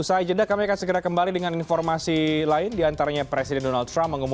usaha ijadah kami akan segera kembali dengan informasi lain diantaranya presiden donald trump mengumumkan